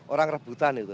orang rebutan itu